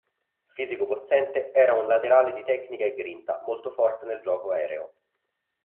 Fisico possente, era un laterale di tecnica e grinta, molto forte nel gioco aereo.